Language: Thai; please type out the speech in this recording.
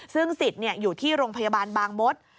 ซึ่งสิทธิ์อยู่ที่โรงพยาบาลบางมศ